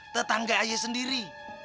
tetangga ayah sendiri